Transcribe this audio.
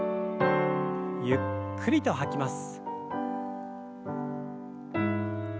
ゆっくりと吐きます。